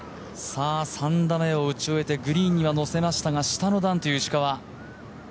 ３打目を打ち終えてグリーンには乗せましたが、下の段という石川。